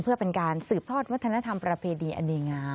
เพื่อเป็นการสืบทอดวัฒนธรรมประเพณีอดีงาม